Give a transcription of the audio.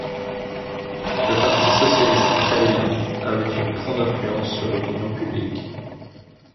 Le Parti socialiste italien avait une grande influence sur l'opinion publique.